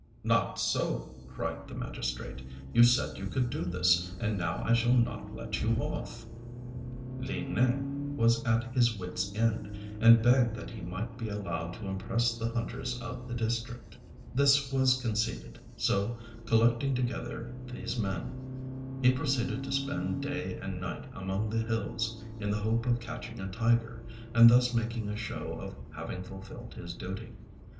"Not so," cried the magistrate, "you said you could do this, and now I shall not let you off." Li Nêng was at his wits' end, and begged that he might be allowed to impress the hunters of the district. This was conceded; so collecting together these men, he proceeded to spend day and night among the hills in the hope of catching a tiger, and thus making a show of having fulfilled his duty.